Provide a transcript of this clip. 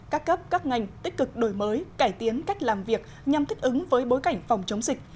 các cấp các ngành tích cực đổi mới cải tiến cách làm việc nhằm thích ứng với bối cảnh phòng chống dịch